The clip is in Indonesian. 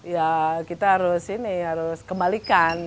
ya kita harus ini harus kembalikan